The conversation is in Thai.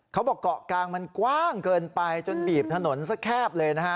เกาะกลางมันกว้างเกินไปจนบีบถนนสักแคบเลยนะฮะ